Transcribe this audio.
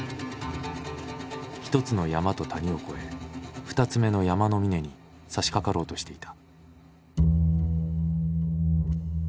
１つの山と谷を越え２つ目の山の峰にさしかかろうとしていた。